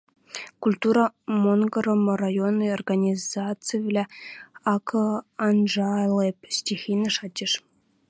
Культура монгырым районный организацивлӓ ак анжалеп, стихийно шачеш.